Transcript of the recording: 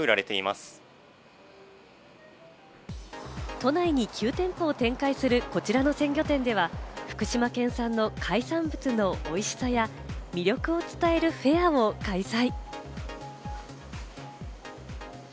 都内に９店舗を展開する、こちらの鮮魚店では福島県産の海産物の美味しさや魅力を伝えるフェアを開催。